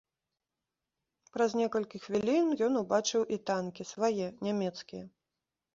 Праз некалькі хвілін ён убачыў і танкі, свае, нямецкія.